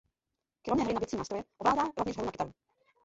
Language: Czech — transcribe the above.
Kromě hry na bicí nástroje ovládá rovněž hru na kytaru.